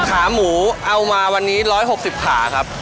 ขาหมูเอามาวันนี้๑๖๐ขาครับ